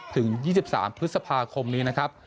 ถึง๒๓พฤษภาคมนี้นะครับ